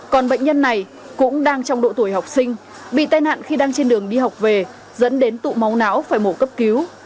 còn bệnh nhân này cũng đang trong độ tuổi học sinh bị tai nạn khi đang trên đường đi học về dẫn đến tụ máu não phải mổ cấp cứu